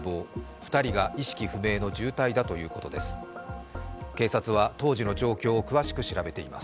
２人が意識不明の重体だということです。